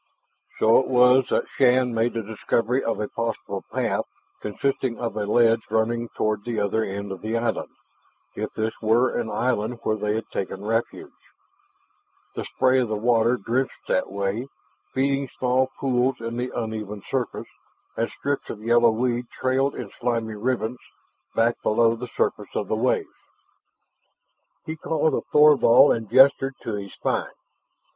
So it was that Shann made the discovery of a possible path consisting of a ledge running toward the other end of the island, if this were an island where they had taken refuge. The spray of the water drenched that way, feeding small pools in the uneven surface, and strips of yellow weed trailed in slimy ribbons back below the surface of the waves. He called to Thorvald and gestured to his find.